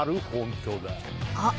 あっ！